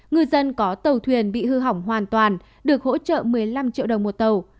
ngư dân có tàu thuyền bị hư hỏng hoàn toàn được hỗ trợ một mươi năm triệu đồng một tàu